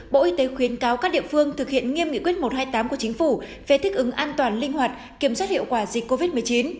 bộ y tế khuyến cáo các địa phương thực hiện nghiêm nghị quyết một trăm hai mươi tám của chính phủ về thích ứng an toàn linh hoạt kiểm soát hiệu quả dịch covid một mươi chín